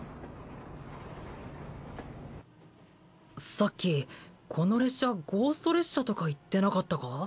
さっきこの列車ゴースト列車とか言ってなかったか？